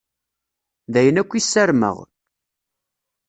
D ayen akk i ssarmeɣ.